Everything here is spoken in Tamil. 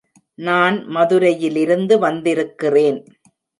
நான் மதுரையிலிருந்து வந்திருக்கிறேன்.